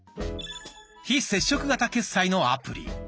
「非接触型決済」のアプリ